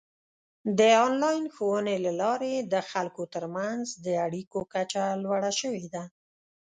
د آنلاین ښوونې له لارې د خلکو ترمنځ د اړیکو کچه لوړه شوې ده.